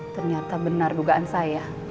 ternyata benar dugaan saya